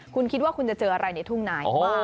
คุณคิดว่าคุณจะเจออะไรในทุ่งนายบ้าง